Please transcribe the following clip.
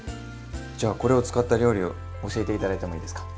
じゃあこれを使った料理を教えて頂いてもいいですか。